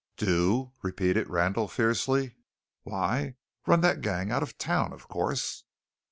"Do?" repeated Randall fiercely; "why, run that gang out of town, of course!"